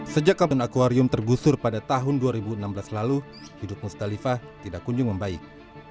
sejak kabin akwarium tergusur pada tahun dua ribu enam belas lalu hidup mustalifah tidak kunjung membaik